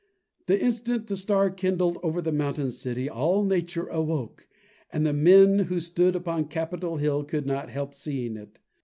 The instant the Star kindled over the mountain city, all Nature awoke, and the men who stood upon Capitol Hill could not help seeing it.